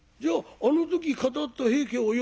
あの時語った『平家』をよ